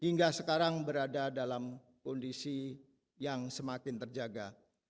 hingga sekarang berada dalam kondisi yang semakin terjaga